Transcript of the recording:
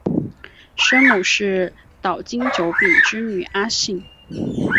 生母是岛津久丙之女阿幸。